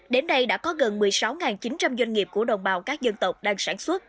đến nay đã có gần một mươi sáu chín trăm linh doanh nghiệp của đồng bào các dân tộc đang sản xuất